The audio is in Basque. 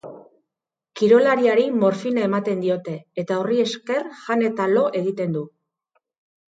Kirolariari morfina ematen diote eta horri esker jan eta lo egiten du.